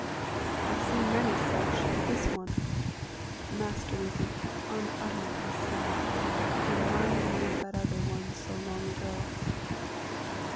I have seen many such, but this one with Master looking unutterably sad reminded me of that other one so long ago.